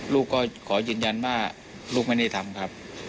ลูกก็ขอยืนยันว่าลูกไม่ได้ทำครับ